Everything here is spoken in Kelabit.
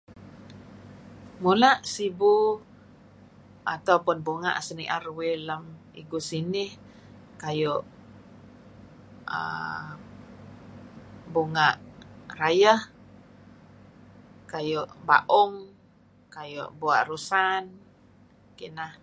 Mula' sibu atau baunga' sinier uih lem igu sinih kayu' uhm Bunga' Rayeh, kayu' Baung, kayu' Bua' Rusan. Kineh.